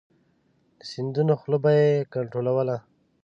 د سیندونو خوله به یې کنترولوله.